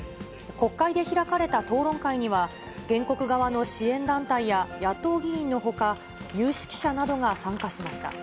国会で開かれた討論会には、原告側の支援団体や野党議員のほか、有識者などが参加しました。